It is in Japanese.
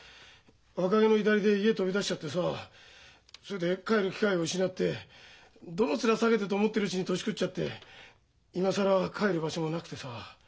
若気の至りで家飛び出しちゃってさそれで帰る機会を失ってどの面下げてと思ってるうちに年くっちゃって今更帰る場所もなくてさ。